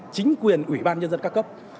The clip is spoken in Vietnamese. chính quyền ủy ba nhân dân ca cấp